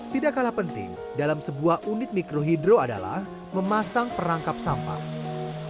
tidak kalah penting dalam sebuah unit mikrohidro adalah memasang perangkap sampah